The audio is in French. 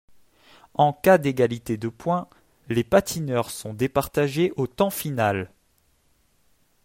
En cas d'égalité de points, les patineurs sont départagées au temps final.